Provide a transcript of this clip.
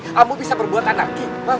kamu bisa berbuat anarki